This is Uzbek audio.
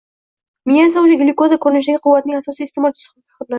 Miya esa o‘sha glyukoza ko‘rinishidagi quvvatning asosiy iste’molchisi hisoblanadi.